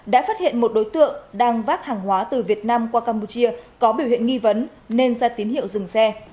đã phát hiện một đối tượng đang vác hàng hóa từ việt nam qua campuchia có biểu hiện nghi vấn nên ra tín hiệu dừng xe